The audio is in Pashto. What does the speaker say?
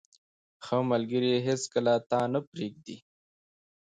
• ښه ملګری هیڅکله تا نه پرېږدي.